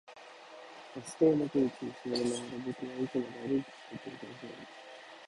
バス停のベンチに座りながら、僕は駅まで歩いていくことを考える